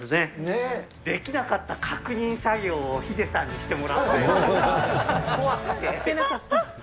できなかった確認作業を、ヒデさんにしてもらった。